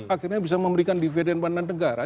akhirnya bisa memberikan dividen bandar negara